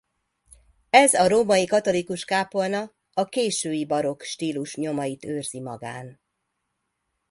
Ez a római katolikus kápolna a késői barokk stílus nyomait őrzi magán.